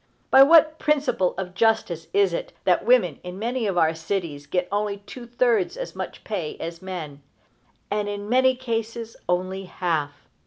By what principle of justice is it that women in many of our cities get only two thirds as much pay as men, and in many cases only half?